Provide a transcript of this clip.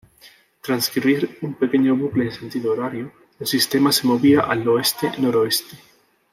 Transcribir un pequeño bucle en sentido horario, el sistema se movía al oeste-noroeste.